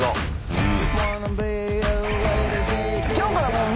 うん。